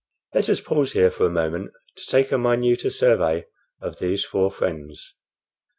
Let us pause here for a moment to take a minuter survey of these four friends.